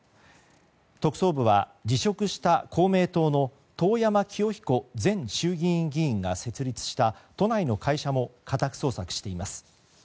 特捜部は、辞職した公明党の遠山清彦前衆議院議員が設立した都内の会社も家宅捜索しています。